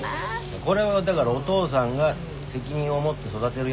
これはだからおとうさんが責任を持って育てるやつです。